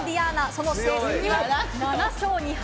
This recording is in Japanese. その成績は７勝２敗。